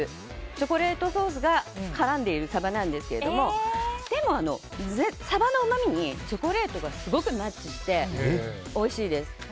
チョコレートソースが絡んでいるサバなんですがでも、サバのうまみにチョコレートがすごくマッチしておいしいです。